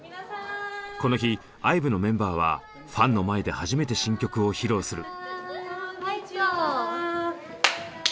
この日ＩＶＥのメンバーはファンの前で初めて新曲を披露する。